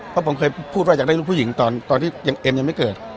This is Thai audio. เพราะผมเคยพูดว่าอยากได้ลูกผู้หญิงตอนที่ยังเอ็มยังไม่เกิด